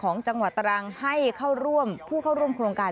ของจังหวัดตรังให้เข้าร่วมผู้เข้าร่วมโครงการ